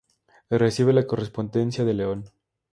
Recibe la correspondencia de León.